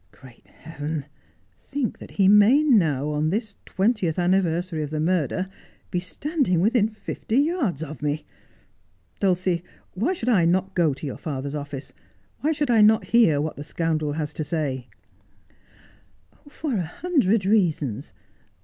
Great heaven, think that he may now, on this twentieth anniversary of the murder, be standing within fifty yards of me ! Dulcie, why should I not go to your father's office I Why should I not hear what the scoundrel has to say 1 '' For a hundred reasons.